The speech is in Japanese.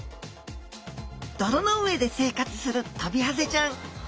泥の上で生活するトビハゼちゃん。